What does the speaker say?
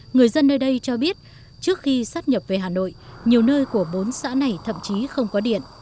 người dân nơi đây cho biết trước khi sát nhập về hà nội nhiều nơi của bốn xã này thậm chí không có điện